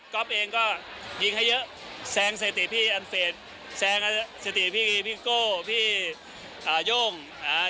เองก็ยิงให้เยอะแซงสถิติพี่อันเฟสแซงสถิติพี่พี่โก้พี่อ่าโย่งอ่า